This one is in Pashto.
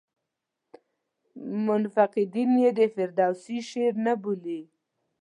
منقدین یې د فردوسي شعر نه بولي.